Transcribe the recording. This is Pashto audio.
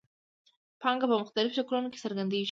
پانګه په مختلفو شکلونو کې څرګندېږي